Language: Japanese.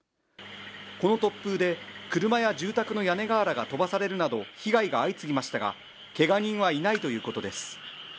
この突風で、車や住宅の屋根瓦が飛ばされるなど被害が相次ぎましたが、けが人はいないということです。